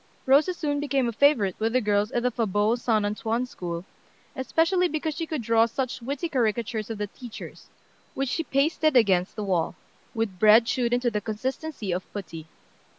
Rosa soon became a favorite with the girls in the Fauborg St. Antoine School, especially because she could draw such witty caricatures of the teachers, which she pasted against the wall, with bread chewed into the consistency of putty.